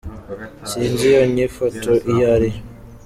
Sinzi iyo nyifato iyo ari yo?.